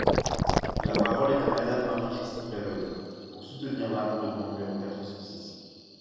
La parole est à Madame Marie-Christine Dalloz, pour soutenir l’amendement numéro quatre cent six.